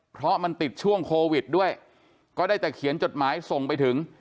เพราะมันติดช่วงโควิดด้วยก็ได้แต่เขียนจดหมายส่งไปถึง